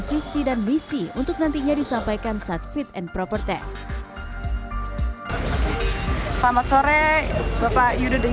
visi dan misi untuk nantinya disampaikan saat fit and proper test selamat sore bapak yudho dan